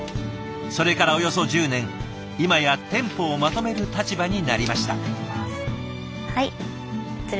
それからおよそ１０年今や店舗をまとめる立場になりました。